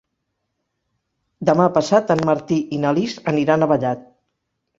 Demà passat en Martí i na Lis aniran a Vallat.